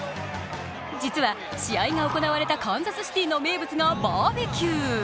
実は、試合が行われたカンザスシティーの名物がバーベキュー。